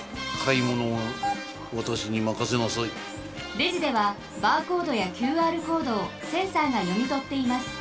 レジではバーコードやＱＲコードをセンサーがよみとっています。